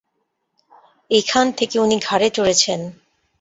এইখান থেকে উনি ঘাড়ে চড়েছেন।